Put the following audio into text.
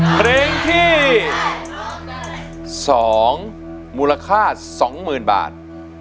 เพลงที่สองมูลค่าสองหมื่นบาท